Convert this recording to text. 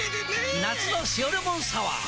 夏の「塩レモンサワー」！